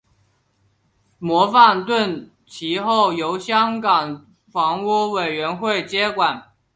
模范邨其后由香港房屋委员会接管。